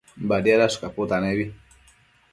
Badiadash caputanebi